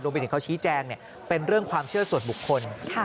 ไปถึงเขาชี้แจงเป็นเรื่องความเชื่อส่วนบุคคล